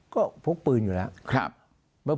ก็พกปืนอยู่แล้ว